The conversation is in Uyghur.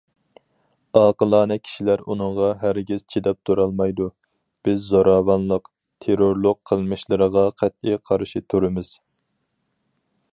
ئاقىلانە كىشىلەر ئۇنىڭغا ھەرگىز چىداپ تۇرالمايدۇ، بىز زوراۋانلىق، تېررورلۇق قىلمىشلىرىغا قەتئىي قارشى تۇرىمىز.